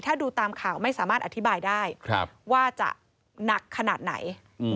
ถ้าดูตามข่าวไม่สามารถอธิบายได้ว่าจะหนักขนาดไหน